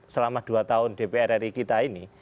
selama dua tahun dpr ri kita ini